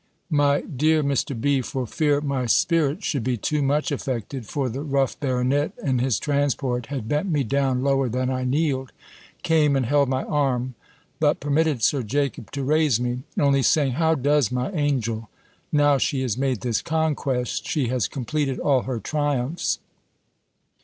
My dear Mr. B., for fear my spirits should be too much affected (for the rough baronet, in his transport, had bent me down lower than I kneeled), came and held my arm; but permitted Sir Jacob to raise me; only saying, "How does my angel? Now she has made this conquest, she has completed all her triumphs."